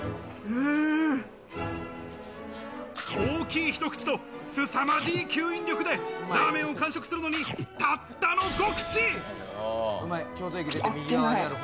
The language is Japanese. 大きい一口とすさまじい吸引力で、ラーメンを完食するのにたったの５口！